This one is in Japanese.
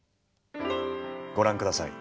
ご覧ください。